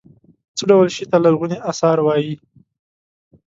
څه ډول شي ته لرغوني اثار وايي.